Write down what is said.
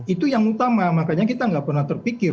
itu yang utama makanya kita nggak pernah terpikir